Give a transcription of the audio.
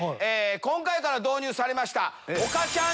今回から導入されました。